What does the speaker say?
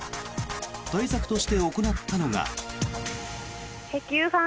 対策として行ったのが。